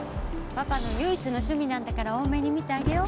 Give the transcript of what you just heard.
パパの唯一の趣味なんだから大目に見てあげよう。